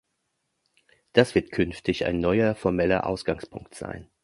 Das wird künftig ein neuer formeller Ausgangspunkt sein.